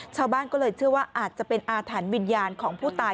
ชาวบ้านก็เลยเชื่อว่าอาจจะเป็นอาถรรพ์วิญญาณของผู้ตาย